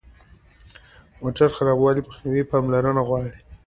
د موټر خرابوالي مخنیوی پاملرنه غواړي.